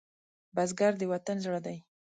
بزګر د وطن زړه دی